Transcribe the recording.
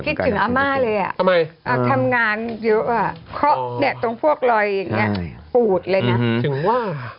คิดถึงอาม่าเลยอ่ะทำงานเยอะอ่ะเขาแดะตรงพวกรอยอย่างนี้ปวดเลยนะ